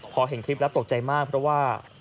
พอเห็นคลิปแล้วตกใจมากเพราะว่า